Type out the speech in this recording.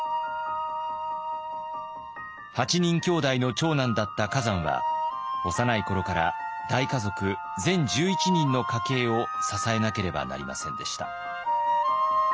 ８人きょうだいの長男だった崋山は幼い頃から大家族全１１人の家計を支えなければなりませんでした。